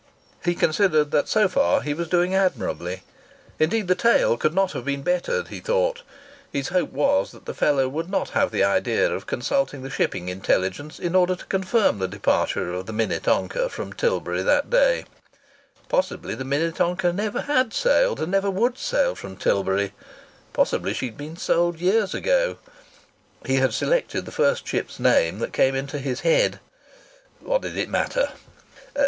He considered that so far he was doing admirably. Indeed, the tale could not have been bettered, he thought. His hope was that the fellow would not have the idea of consulting the shipping intelligence in order to confirm the departure of the Minnetonka from Tilbury that day. Possibly the Minnetonka never had sailed and never would sail from Tilbury. Possibly she had been sold years ago. He had selected the first ship's name that came into his head. What did it matter?